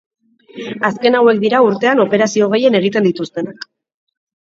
Azken hauek dira urtean operazio gehien egiten dituztenak.